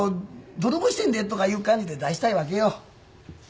泥棒してんでとかいう感じで出したいわけよ。